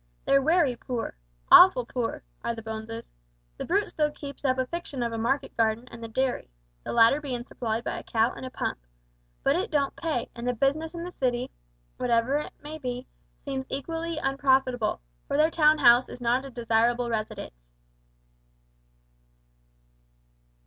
They're wery poor awful poor are the Boneses. The Brute still keeps up a fiction of a market garden and a dairy the latter bein' supplied by a cow and a pump but it don't pay, and the business in the city, whatever it may be, seems equally unprofitable, for their town house is not a desirable residence."